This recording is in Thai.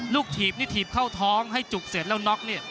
ถีบนี่ถีบเข้าท้องให้จุกเสร็จแล้วน็อกเนี่ย